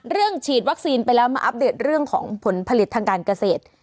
ฉีดวัคซีนไปแล้วมาอัปเดตเรื่องของผลผลิตทางการเกษตร